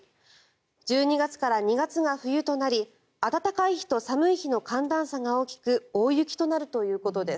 １２月から２月が冬となり暖かい日と寒い日の寒暖差が大きく大雪となるということです。